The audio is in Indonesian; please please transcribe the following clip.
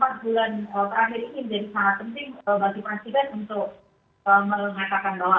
empat bulan terakhir ini menjadi sangat penting bagi presiden untuk mengatakan bahwa